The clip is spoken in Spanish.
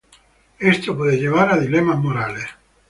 Esto puede llevar a dilemas morales.